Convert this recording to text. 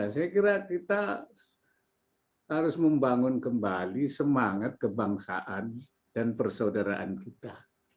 saya kira kita harus membangun kembali semangat kebangsaan dan persaudaraan kita